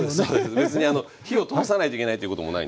別に火を通さないといけないっていうこともないんです。